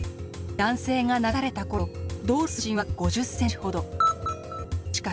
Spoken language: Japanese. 男性が流された頃道路の水深は５０ｃｍほど。